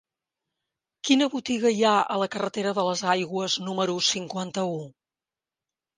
Quina botiga hi ha a la carretera de les Aigües número cinquanta-u?